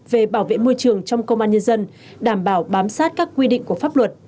về bảo vệ môi trường trong công an nhân dân đảm bảo bám sát các quy định của pháp luật